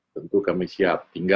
tentu kami siap